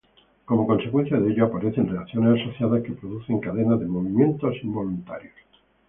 Como consecuencia de ello, aparecen reacciones asociadas que producen cadenas de movimientos involuntarios.